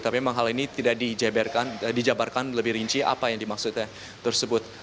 tapi memang hal ini tidak dijabarkan lebih rinci apa yang dimaksudnya tersebut